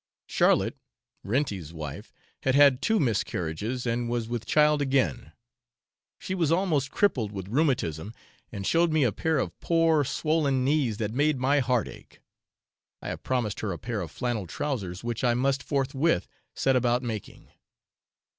Charlotte, Renty's wife, had had two miscarriages, and was with child again. She was almost crippled with rheumatism, and showed me a pair of poor swollen knees that made my heart ache. I have promised her a pair of flannel trowsers, which I must forthwith set about making.